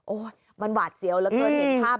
มันหวาดเสียวเหลือเกินเห็นภาพ